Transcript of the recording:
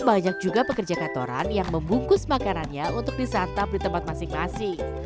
banyak juga pekerja kantoran yang membungkus makanannya untuk disantap di tempat masing masing